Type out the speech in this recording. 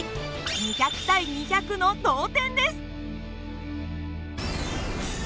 ２００対２００の同点です。